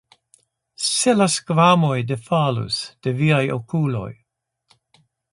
Se la skvamoj defalus de viaj okuloj!